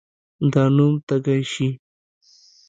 د نوم تږی شي.